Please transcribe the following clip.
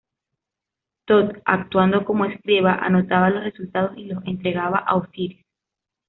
Tot, actuando como escriba, anotaba los resultados y los entregaba a Osiris.